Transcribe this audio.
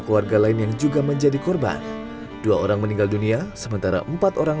keluarga lain yang juga menjadi korban dua orang meninggal dunia sementara empat orang